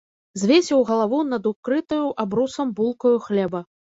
Звесіў галаву над укрытаю абрусам булкаю хлеба.